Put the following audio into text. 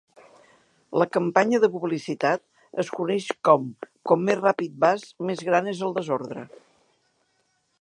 La campanya de publicitat es coneix com "Com més ràpid vas, més gran és el desordre".